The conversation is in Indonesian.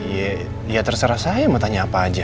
ya terserah saya mau tanya apa aja